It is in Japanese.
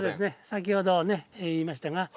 先ほどね言いましたが水田ね